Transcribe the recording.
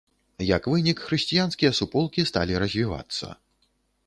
Як вынік, хрысціянскія суполкі сталі развівацца.